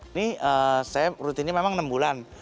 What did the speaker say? ini saya rutinnya memang enam bulan